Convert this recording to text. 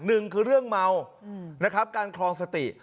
หนึ่งคือเรื่องเมานะครับการคลองสติ